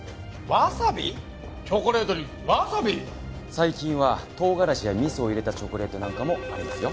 最近は唐辛子や味噌を入れたチョコレートなんかもありますよ。